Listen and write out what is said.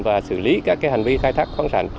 và xử lý các hành vi khai thác khoáng sản